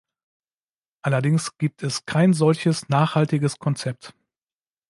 Allerdings gibt es kein solches nachhaltiges Konzept.